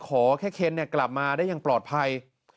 ขอแค่เคนกลับมาได้อย่างปลอดภัย